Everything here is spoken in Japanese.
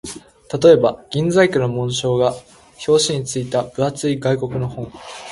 例えば、銀細工の紋章が表紙に付いた分厚い外国の本